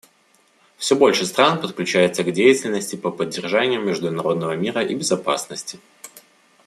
Все больше стран подключается к деятельности по поддержанию международного мира и безопасности.